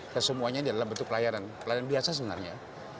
kesemuanya dalam bentuk pelayanan pelayanan biasa sebenarnya